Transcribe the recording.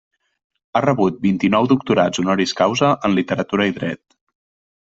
Ha rebut vint-i-nou doctorats honoris causa en literatura i dret.